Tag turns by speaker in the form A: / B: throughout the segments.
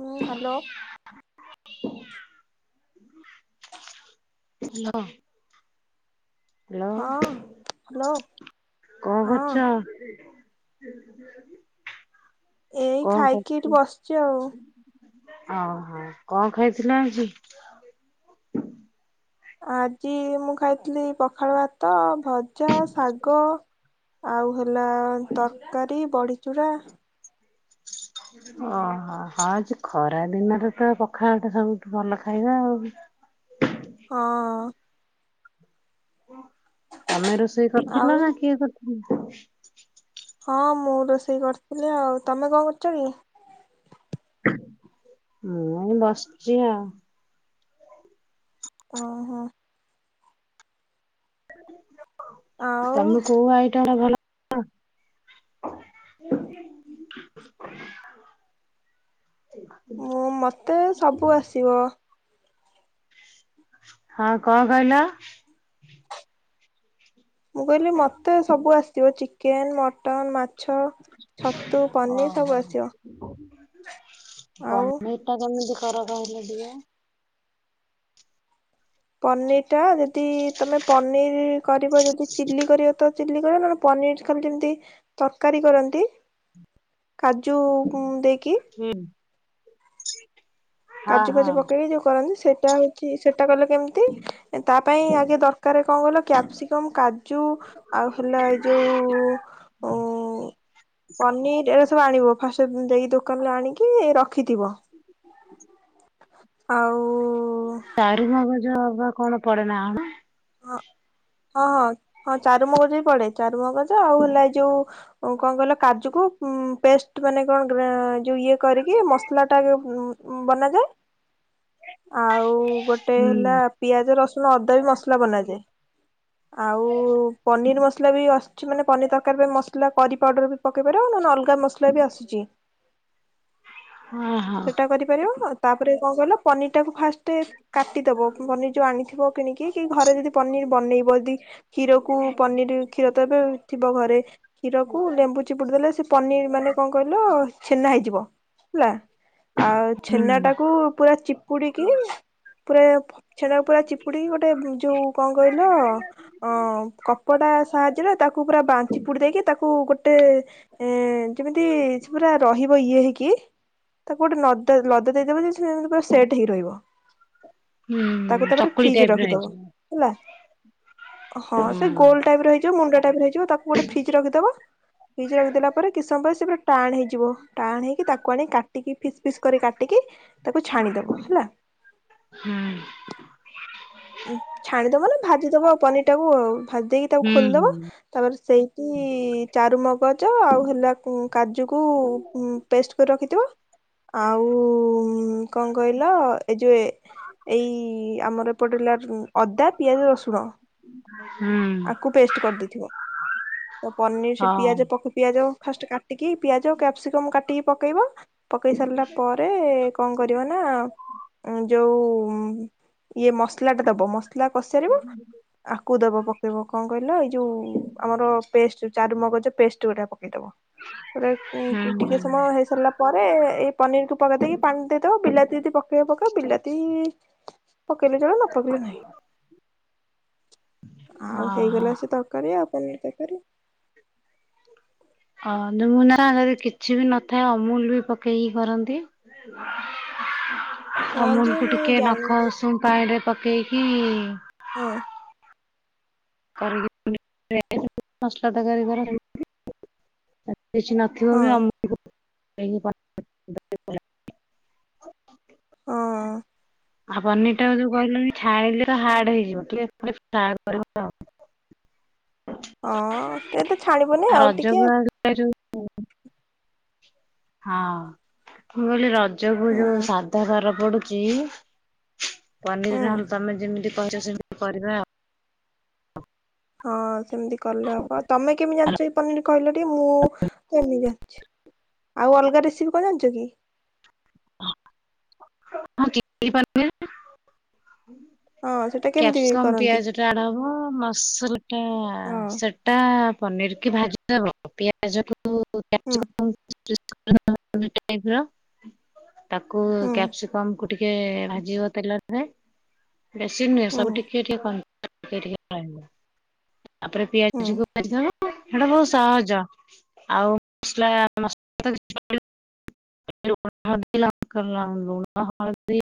A: ହୁଁ hello.
B: Hello. Hello
A: ହଁ hello
B: କଣ
A: ହଁ
B: କରୁଚ?
A: ଏଇ
B: କଣ
A: ଖାଇକି ଏଠି
B: କରୁଛ?
A: ବସିଚି ଆଉ।
B: ଓହୋ କଣ ଖାଇଥିଲ ଆଜି?
A: ଆଜି ମୁଁ ଖାଇଥିଲି ପଖାଳ ଭାତ, ଭଜା, ଶାଗ ଆଉ ହେଲା ତରକାରୀ, ବଡିଚୂରା।
B: [inaudible] ଓହୋ ହଁ ଆଜି ଖରା ଦିନରେ ତ ପଖାଳ ଟା ସବୁଠୁ ଭଲ ଖାଇବା ଆଉ।
A: ହଁ।
B: ତମେ ରୋଷେଇ କରିଥିଲ
A: ଆଉ
B: ନା କିଏ କରିଥିଲା?
A: ହଁ ମୁଁ ରୋଷେଇ କରିଥିଲି। ଆଉ ତମେ କଣ କରୁଚ କି?
B: ମୁଁ ବସିଚି ଆଉ।
A: ଓହୋ। ଆଉ
B: ତମେ କୋଉ ଆଇଟମ୍ ଟା ଭଲ [inaudible] [unintelligible]
A: ମୁଁ ମତେ ସବୁ ଆସିବ।
B: ହଁ କଣ କହିଲ?
A: ମୁଁ କହିଲି ମତେ ସବୁ ଆସିଥିବ ଚିକେନ୍ ମଟନ୍ ମା ଛ ଛତୁ ପନିର ସବୁ ଆସିବ। ଆଉ
B: ପନିର୍ ଟା କେମିତି କର କହିଲ ଟିକେ।
A: ପନିର୍ ଟା ଯଦି ତମେ ପନିର୍ କରିବ ଯଦି ଚିଲ୍ଲି କରିବ ତ ଚିଲ୍ଲି ତମେ କଣ ପନିର କଲେ କେମତି ତରକାରୀ କରନ୍ତି କାଜୁ କୁଁ ଦେଇକି
B: ହୁଁ। ହଁ
A: କାଜୁ ଫାଜୁ
B: ହଁ
A: ପକେଇକି ଯୋଉ କରନ୍ତି ସେଟା ହୋ ଚି ସେଟା କଲେ କେମତି ତା ପାଇଁ ଆଗେ ଦରକାର କଣ କହିଲ କ୍ୟାପ୍ସିକମ କାଜୁ ଆଉ ହେଲା ଏଇ ଯୋଉ ଉଁ
B: ହ [unintelligible]
A: ପନିର ଏରା ସବୁ ଆଣିବ ଫାଷ୍ଟ ଜାଇକି ଦୋକାନରୁ ଆଣିକି ରଖିଥିବ।
B: [unintelligible]
A: ଆଉ
B: ଚାରୁ ମଗଜ ବା କଣ ପଡେ ନା କଣ?
A: ହଁ ହଁ ହଁ ଚାରୁମଗଜ ବି ପଡେ ଚାରୁମଗଜ ଆଉ ହେଲା ଏ ଯୋଉ କଣ କହିଲ କାଜୁକୁ ପେଷ୍ଟ ମାନେ କଣ ଗ୍ରା ଯଉ ଇଏ କରିକି ମସଲା ଟା ଉଁ ବନାଯାଏ।
B: [unintelligible]
A: ଆଉ ଗୋଟେ
B: ହୁଁ
A: ହେଲା ପିଆଜ ରସୁଣ ଅଦା ବି ମସଲା ବନାଯାଏ। ଆଉ ପନିର ମସଲା ବି ଆସୁଛି ମାନେ ପନିର ତରକାରୀ ପାଇଁ ମସଲା କରି ପାଉଡର ବି ପକେଇ ପାରିବ ନହେଲେ ଅଲଗା ମସଲା ବି ଆସୁଛି।
B: ହଁ ହଁ।
A: ସେଟା କରିପାରିବ ତାପରେ କଣ କହିଲ ପନିର ଟାକୁ ଫାଷ୍ଟ ଟେ କାଟିଦବ ପନିର ଯୋଉ ଆଣିଥିବ କିଣିକି। ଘରେ ଯଦି ପନିର ବନେଇବ ଯଦି କ୍ଷୀରକୁୁ ପନିର କ୍ଷୀର ତ ଏବେ ଥିବ ଘରେ। କ୍ଷୀରକୁ ଲେମ୍ବୁ ଚିପୁଡି ଦେଲେ ସେ ପନିର ମାନେ କଣ କହିଲ ଛେନା ହେଇଯିବ ହେଲା। ଆଉ
B: ହୁଁ
A: ଛେନା ଟାକୁ ପୁରା ଚିପୁଡିକି ପୁରା ଫ୍ ଛେନା କୁ ପୁରା ଚିପୁଡିକି ଗୋ ଟ ଯୋଉ କଣ କହିଲ ଅ କପଡା ସାହାଯ୍ୟରେ ତାକୁ ପୁରା ବା ଚିପୁଡି ଦେଇକି ତାକୁ ଗୋଟେ ଏ ଯେମିତି ସେ ପୁରା ରହିବ ଇଏ ହେଇକି ତାକୁ ଗୋଟେ ନଦା ଲଦା ଦେଇଦେବ ଯେ ସେ। ପୁରା ସେଟ୍ ହେଇ ରହିବ
B: ହୁଁ
A: ତାକୁ ତାପରେ
B: ଚକୁଳି
A: ଫ୍ରିଜରେ
B: ଟାଇପ ର
A: ରଖିଦବ
B: ହେଇଯିବ
A: ହେଲା। ହଁ
B: ହୁଁ
A: ସେ ଗୋଲ ଟାଇପ ଇିବ ମୁଣ୍ଡା ଟାଇପର ର ହେଇ ଯିବ ଗୋଟେ ଫିଜ୍ରରେ ରଖିଦବା। ଫ୍ରିଜ୍ ରେ ରଖିଦେଲା ପରେ କିଛି ସମୟପରେ ସେ ପୁରା ଟାଣେ ହେଇଯିବ ଟାଣ ହେଇକି ତାକୁ ଆଣି କାଟିକି ଫିସ୍ ପିସ୍ କରି କାଟିକି ତାକୁ ଛାଣିଦବ ହେଲା।
B: ହୁଁ।
A: ଛାଣିଦବ ନା ଭାଜିଦବ ପନିର ଟାକୁ ଆଉ ଭାଜି ଦେଇକି ତାକୁ
B: ହୁଁ
A: ଖୋଲିଦବ।
B: ହୁଁ
A: ତାପରେ ସେଇଠି ଚାରୁମଗଜ ଆଉ ହେଲା କୁ କାଜୁକୁ ପେଷ୍ଟ କରି ରଖିଥିବ। ଆଉ କଣ କହିଲ ଏ ଯୋଉ ଏଇ ଆମର ପଡିଲା ଉଁ ଅଦା ପିଆଜ ରସୁଣ।
B: ହୁଁ।
A: ଆକୁ ପେଷ୍ଟ କରିଦେଇଥିବ। ତ ପନିର ସେ
B: ହଁ
A: ପିଆଜ ପଖୁ ପିଆଜ ଫାଷ୍ଟେ କା ଟିକି ପିଆଜ ଆଉ କ୍ୟାପ୍ସିକମ୍ କାଟିକି ପକେଇବ ପକେଇ ସାରିଲା ପରେ କଣ କରିବ ନା ଯୋଉ ଇଏ ମସଲା ଟା ଦବ ମସଲା କଶି ସାରିବ ଆକୁ ଦବ ପକେଇବ କଣ କହିଲ ଏଇ ଯୋଉ ଆମର ପେଷ୍ଟ ଚାରୁମଗଜ ପେଷ୍ଟ ଗୋଟେ ପକେଇଦବ ଉଁ
B: ହୁଁ
A: ଟିକେ ସମୟ ହେଇସାରିଲା ପରେ ଏଇ ପନିରକୁ ପକେଇ ଦେଇେଇକି ପାଣି ଦେଇଦବ ବିଲାତି ଯଦି ପକେଇବ ପକେଇବ ବିଲାତି ପକେଇଲେ ଚଳିବ ନ ପକେଇଲେ ନାହିଁ। ଆଉ
B: ଓହୋ।
A: ହେଇଗଲା ସେ ତ ତରକାରୀ ଆଉ ପନିର୍ ତରକାରୀ।
B: [unintelligible] ନା ଯଦି କିଛି ବି ନଥାଏ ଅମୁଲ ବି ପକେଇକି କରନ୍ତି।
A: ହଁ ଯେ
B: ଅମୁଲକୁ
A: ମୁଁ
B: ଟିକେ ନଖ
A: ଜାଣିନି
B: ଉସୁମ୍ ପାଣିରେ ପକେଇକି
A: ହଁ।
B: କରିକି [unintelligible] ମସଲା ତରକାରୀ କରନ୍ତି। ଯଦି କିଛି ନଥିବ
A: ହଁ
B: ବି ଅମୁଲ କୁ [unintelligible]
A: ହଁ।
B: ଆଉ ପନିର ଟା ଯୋଉ କହିଲ କି ଛାଣିଲେ ତ ହାର୍ଡ ହେଇଯିବ। [unintelligible]
A: ହଁ ଏତେ ତ ଛାଣିବୁନି ଆଉ ଟିକେ
B: [unintelligible] ହଁ ମୁଁ କହିଲି ର ରଜକୁ
A: ହୁଁ
B: ଯୋଉ ସାଧାବାର ପଡୁଚି ପନିର୍
A: ହୁଁ
B: ନହେଲେ ତମେ ଯେମିତି କହିଚ ସେମିତି କରିବା ଆଉ।
A: ହଁ ସେମିତି କଲେ ହବ। ତମେ କେମିତି ଜାଣିଚ କି ପନିର କହିଲ ଟିକେ, ମୁଁ ତ ଏମିତି ଜାଣିଚି। ଆଉ ଅଲଗା ରେସିପି କଣ ଜାଣିଚ କି?
B: ମୁଁ ଚିଲି ପନିର୍।
A: ହଁ ସେଟା କେମିତି
B: କ୍ୟାପସିକମ୍
A: କରନ୍ତି?
B: ପିଆଜରେ ଆଡ଼ ହବ। ମସଲା ଟା
A: ହଁ
B: ସେଟା ପନିର୍ କି ଭାଜିଦେବ ପିଆଜକୁ
A: ହୁଁ
B: କ୍ୟାପ୍ସିକମ [unintelligible] କୁ
A: ହୁଁ
B: କ୍ୟାପସିକମ କୁ ଟିକେ ଭାଜିବ ତେଲରେ। ବେଶୀ ନୁହେଁ
A: ହୁଁ
B: ସବୁ ଟି ଟିକେ ଟିକେ [unintelligible] ତାପରେ
A: ହୁଁ।
B: ପିଆଜ କୁ କାଟିଦବ। ହେଟା ବହୁତ ସହଜ। ଆଉ ମସଲା ମସଲା ତ କିଛି ପଡିବନି। [unintelligible] ଲୁଣ, ହଳଦୀ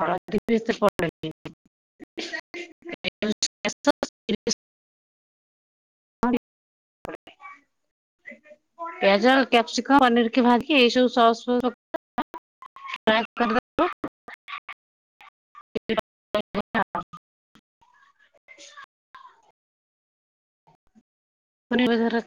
B: ହଲଦୀ ବି। [unintelligible] [unintelligible] [unintelligible] ପିଆଜ, କ୍ୟାପସିକମ୍ ପନିର କି ଭା କି ଏସବୁ ସସ୍ ଫସ୍ ପ [unintelligible] [unintelligible] [unintelligible]